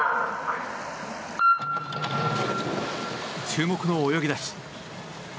注目の泳ぎ出し。